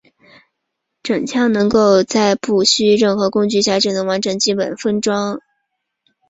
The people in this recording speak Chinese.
整枪能够在不需任何工具下就能完成基本分解和重新组装。